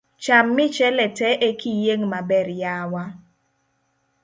Cham Michele tee ekiyieng' maber yawa.